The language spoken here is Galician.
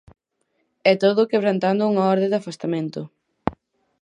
E todo quebrantando unha orde de afastamento.